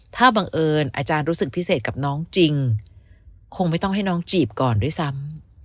ถ้าบังเอิญอาจารย์รู้สึกพิเศษกับน้องจริงคงไม่ต้องให้น้องจีบก่อนด้วยซ้ำ